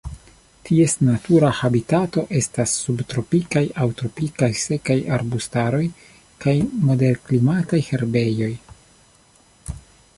Ties natura habitato estas subtropikaj aŭ tropikaj sekaj arbustaroj kaj moderklimataj herbejoj.